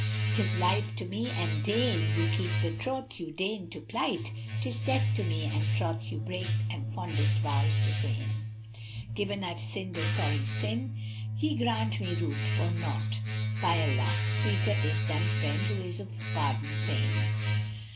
'Tis life to me an deign you keep the troth you deigned to plight * 'Tis death to me an troth you break and fondest vows profane: Given I've sinned a sorry sin, ye grant me ruth, for naught * By Allah, sweeter is than friend who is of pardon fain."